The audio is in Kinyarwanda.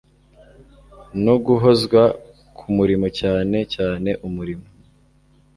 no guhozwa ku murimo cyane cyane umurimo